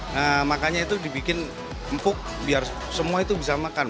nah makanya itu dibikin empuk biar semua itu bisa makan